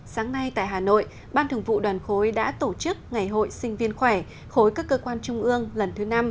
sáng nay tại hà nội ban thường vụ đoàn khối đã tổ chức ngày hội sinh viên khỏe khối các cơ quan trung ương lần thứ năm